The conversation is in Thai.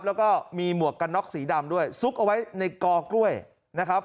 แล้วก็มีหมวกกันน็อกสีดำด้วยซุกเอาไว้ในกอกล้วยนะครับ